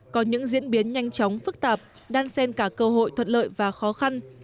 có những diễn biến nhanh chóng phức tạp đan sen cả cơ hội thuận lợi và khó khăn